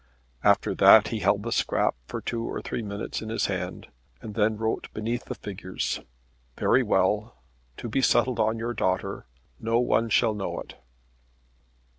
After that he held the scrap for two or three minutes in his hands, and then wrote beneath the figures, "Very well. To be settled on your daughter. No one shall know it."